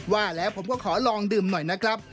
ว่าแล้วผมก็ขอลองดื่มหน่อยนะครับ